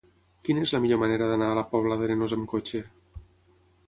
Quina és la millor manera d'anar a la Pobla d'Arenós amb cotxe?